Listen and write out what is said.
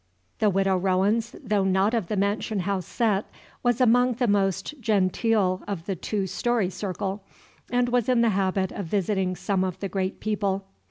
The Widow Rowens, though not of the mansion house set, was among the most genteel of the two story circle, and was in the habit of visiting some of the great people.